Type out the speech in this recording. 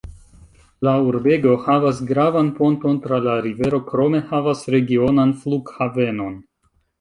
La urbego havas gravan ponton tra la rivero krome havas regionan flughavenon.